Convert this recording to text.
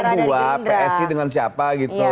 ya itu ada dua psi dengan siapa gitu